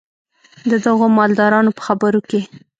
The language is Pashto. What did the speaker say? د دغو مالدارانو په خبرو کې.